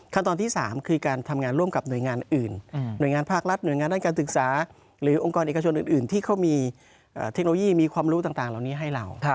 ตอนที่๓คือการทำงานร่วมกับหน่วยงานอื่นหน่วยงานภาครัฐหน่วยงานด้านการศึกษาหรือองค์กรเอกชนอื่นที่เขามีเทคโนโลยีมีความรู้ต่างเหล่านี้ให้เรา